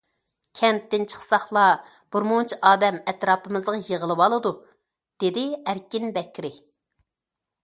كەنتتىن چىقساقلا بىرمۇنچە ئادەم ئەتراپىمىزغا يىغىلىۋالىدۇ، دېدى ئەركىن بەكرى.